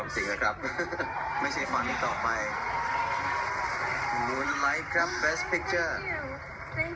แล้วต้องบอกนะครับมันไม่ใช่แจ้ง